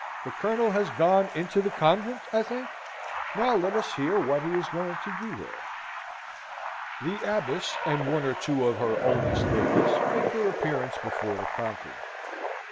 The Colonel has gone into the convent, I think? Now let us hear what he is going to do there." The Abbess, and one or two of her oldest ladies, make their appearance before the conqueror.